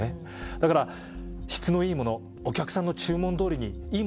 だから質のいいものお客さんの注文どおりにいいものつくった。